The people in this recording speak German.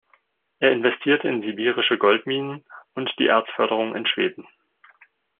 Er investierte in sibirische Goldminen und die Erzförderung in Schweden.